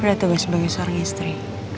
ada tugas sebagai seorang istri